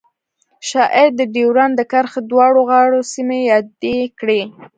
شاعر د ډیورنډ د کرښې دواړو غاړو سیمې یادې کړې